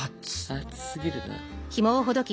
熱すぎるな。